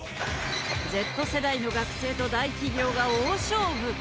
Ｚ世代の学生と大企業が大勝負。